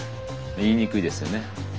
言いにくいですよね。